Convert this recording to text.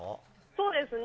そうですね。